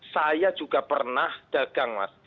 saya juga pernah dagang mas